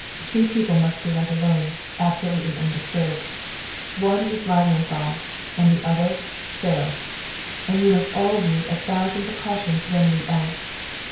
Two people must be let alone, absolutely undisturbed. One is Lilienthal, and the other, Ferris! And you must all use a thousand precautions when we act.